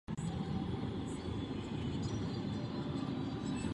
Občané Irska si vybírali svobodně.